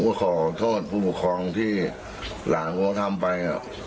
ก็ขอโทษผู้ปกครองที่หลานเขาทำไป